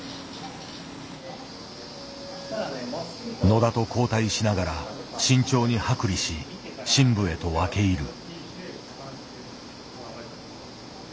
野田と交代しながら慎重に剥離し深部へと分け入る。